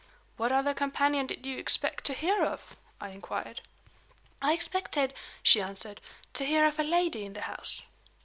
"What other companion did you expect to hear of?" I inquired. "I expected," she answered, "to hear of a lady in the house."